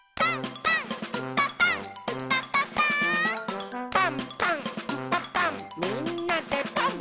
「パンパンんパパンみんなでパン！」